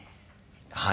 はい。